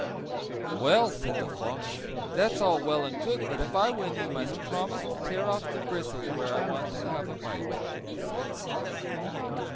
"Well said the fox, "that's all well and good but if I win you must promise to tear off the bristles where I want to have a bite," he said.